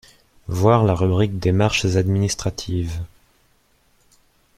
Voir la rubrique démarches administratives.